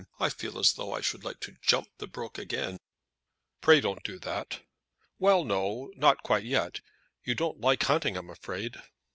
I feel as though I should like to jump the brook again immediately." "Pray don't do that." "Well, no; not quite yet. You don't like hunting, I'm afraid?"